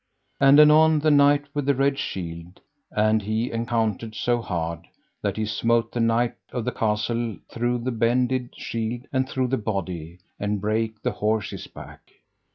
And anon the Knight with the Red Shield and he encountered so hard that he smote the knight of the castle through the bended shield and through the body, and brake the horse's back.